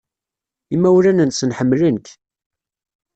Imawlan-nsen ḥemmlen-k.